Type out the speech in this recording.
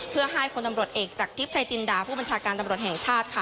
เพื่อให้พลตำรวจเอกจากทิพย์ชายจินดาผู้บัญชาการตำรวจแห่งชาติค่ะ